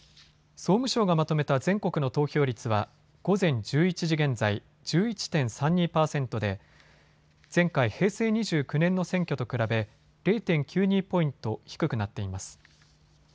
総務省がまとめた全国の投票率は午前１１時現在、１１．３２％で前回、平成２９年の選挙と比べ０．９２ポイント低くなっています。